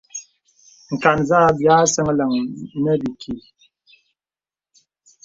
Nkàt zâ bi asɛlə̀ŋ nə̀ bìkì.